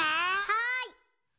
はい！